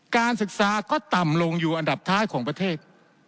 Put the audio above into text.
การศึกษาก็ต่ำลงอยู่อันดับท้ายของประเทศ